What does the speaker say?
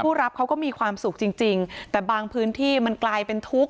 รับเขาก็มีความสุขจริงจริงแต่บางพื้นที่มันกลายเป็นทุกข์